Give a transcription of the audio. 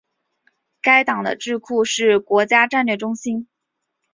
该党的智库是国家战略中心。